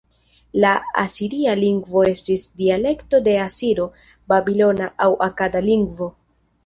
La asiria lingvo estis dialekto de asiro-babilona aŭ akada lingvo.